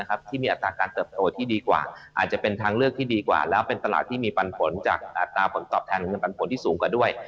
ที่มีอัตราการเติบโตที่ดีกว่าอาจจะเป็นทางเลือกที่ดีกว่าแล้วเป็นตลาดที่มีปันผลจากอัตราผลตอบแทนเงินปันผลที่สูงกว่าด้วย